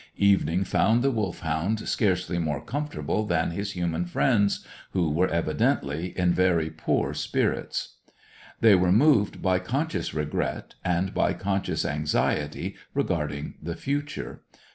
Evening found the Wolfhound scarcely more comfortable than his human friends, who were evidently in very poor spirits. They were moved by conscious regret, and by conscious anxiety regarding the future.